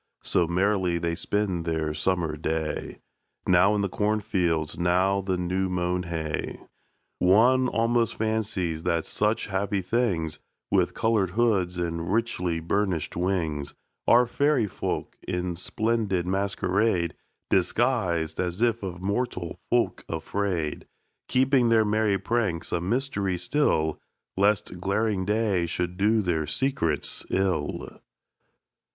So merrily they spend their summer day, Now in the cornfields, now the new mown hay. One almost fancies that such happy things, With coloured hoods and richly burnished wings, Are fairy folk, in splendid masquerade Disguised, as if of mortal folk afraid, Keeping their merry pranks a mystery still, Lest glaring day should do their secrets ill.